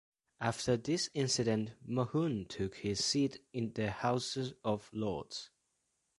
After this incident Mohun took his seat in the House of Lords.